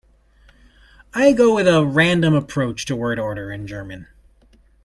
I go with a random approach to word order in German.